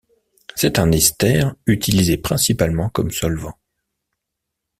C'est un ester utilisé principalement comme solvant.